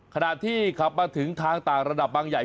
ขณะที่ขับมาถึงทางต่างระดับบางใหญ่